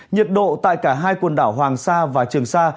nhiệt độ tại cả hai quần đảo hoàng sa và trường sa